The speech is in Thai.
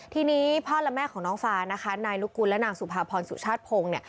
ทีนี้พ่อและแม่ของน้องฟ้านะคะนายลูกกุลและนางสุภาพรสุชาติพงศ์เนี่ย